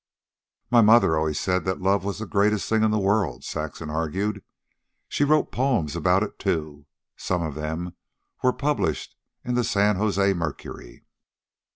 "My mother always said that love was the greatest thing in the world," Saxon argued. "She wrote poems about it, too. Some of them were published in the San Jose Mercury."